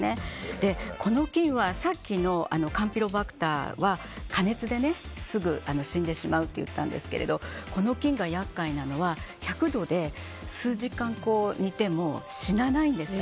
さっきのカンピロバクターは加熱で、すぐ死んでしまうと言ったんですけどこの菌が厄介なのは１００度で数時間煮ても死なないんです。